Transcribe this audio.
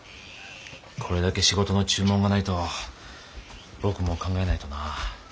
これだけ仕事の注文がないと僕も考えないとな。